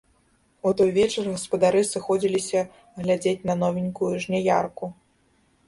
У той вечар гаспадары сыходзіліся глядзець на новенькую жняярку.